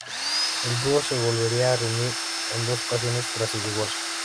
El dúo se volvería a reunir en dos ocasiones tras su divorcio.